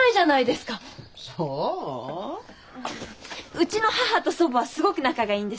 うちの母と祖母はすごく仲がいいんです。